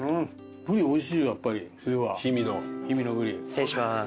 失礼します。